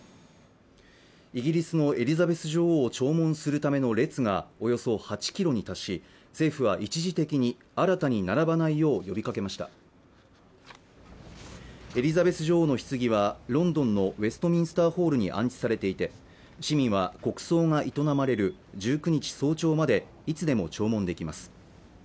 イギリスのエリザベス女王を弔問するための列がおよそ８キロに達し政府は一時的に新たに並ばないよう呼びかけましたエリザベス女王の棺はロンドンのウェストミンスターホールに安置されていて市民は国葬が営まれる１９日早朝までいつでも注文できます